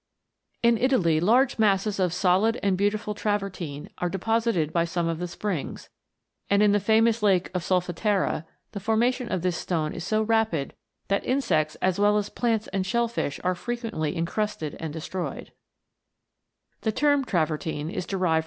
In Italy large masses of solid and beautiful travertine* are deposited by some of the springs; and in the famous Lake of the Solfatara, the forma tion of this stone is so rapid, that insects as well as the plants and shell fish are frequently incrusted and destroyed.